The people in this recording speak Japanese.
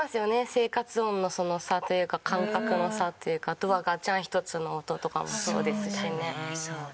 生活音のその差というか感覚の差というかドアガチャンひとつの音とかもそうですしね。